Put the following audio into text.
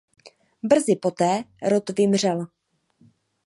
Brzy poté rod vymřel.